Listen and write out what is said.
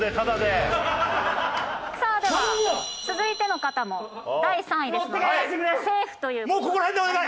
では続いての方も第３位ですのでセーフという事になります。